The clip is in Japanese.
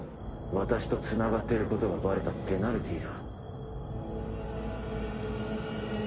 私とつながってることがバレたペナルティーだ。